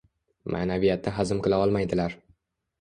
Maʼnaviyatni hazm qila olmaydilar